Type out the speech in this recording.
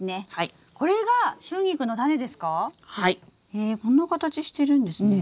へこんな形してるんですね。